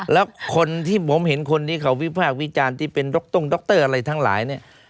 แล้วคนที่ผมเห็นคนที่เขาวิพากษ์วิจารณ์ที่เป็นดร่งดรอะไรทั้งหลายเนี่ย